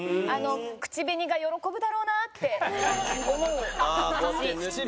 あの口紅が喜ぶだろうなって思う口。